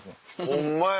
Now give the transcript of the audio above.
ホンマや。